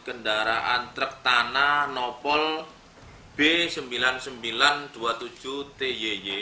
kendaraan truk tanah nopol b sembilan ribu sembilan ratus dua puluh tujuh tyy